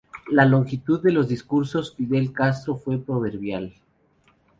La longitud de los discursos Fidel Castro fue proverbial.